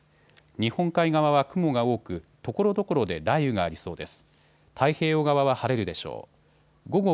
日本海側は雲が多くところどころで雷雨がありそうです。